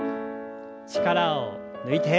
力を抜いて。